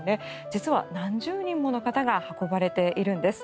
実は何十人もの方が運ばれているんです。